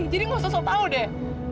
jadi nggak usah sok tau deh